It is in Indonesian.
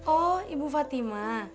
oh ibu fatima